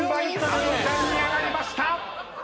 あのちゃんに上がりました！